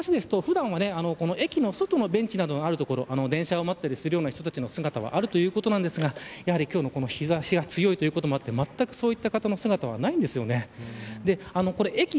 周辺の方の話ですと、普段は駅の外のベンチがある所電車を待っているような姿があるということですがやはり日差しが強いということもあって、まったくそういった方の姿はありません。